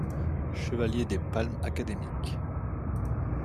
Chevalier des Palmes Académiques.